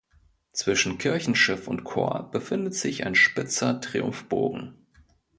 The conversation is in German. Zwischen Kirchenschiff und Chor befindet sich ein spitzer Triumphbogen.